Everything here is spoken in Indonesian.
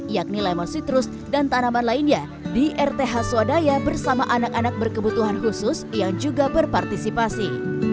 yakni lemon sitrus dan tanaman lainnya di rth swadaya bersama anak anak berkebutuhan khusus yang juga berpartisipasi